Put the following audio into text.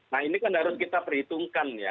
nah ini kan harus kita perhitungkan ya